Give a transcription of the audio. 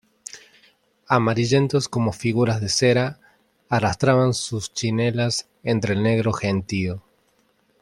amarillentos como figuras de cera, arrastraban sus chinelas entre el negro gentío ,